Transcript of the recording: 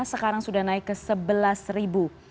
sekarang sudah naik ke sebelas ribu